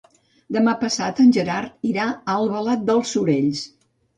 Demà passat en Gerard irà a Albalat dels Sorells.